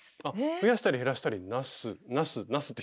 増やしたり減らしたりもなしで。